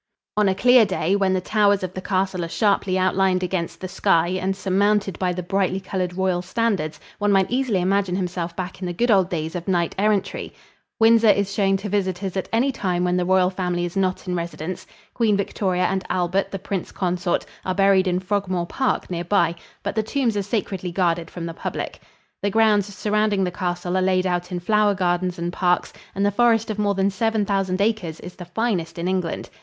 On a clear day, when the towers of the castle are sharply outlined against the sky and surmounted by the brightly colored royal standards, one might easily imagine himself back in the good old days of knight errantry. Windsor is shown to visitors at any time when the royal family is not in residence. Queen Victoria and Albert, the Prince Consort, are buried in Frogmore Park, near by, but the tombs are sacredly guarded from the public. The grounds surrounding the castle are laid out in flower gardens and parks, and the forest of more than seven thousand acres is the finest in England.